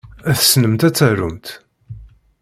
Tessnemt ad tarumt.